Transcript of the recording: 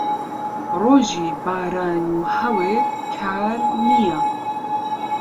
ڕۆژی باران و هەور کار نییە.